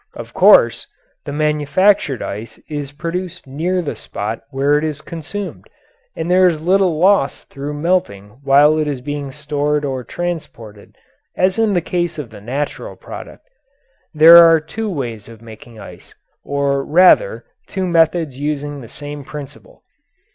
Of course, the manufactured ice is produced near the spot where it is consumed, and there is little loss through melting while it is being stored or transported, as in the case of the natural product. There are two ways of making ice or, rather, two methods using the same principle.